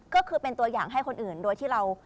ก็คือเป็นตัวอย่างให้คนอื่นโดยที่เรา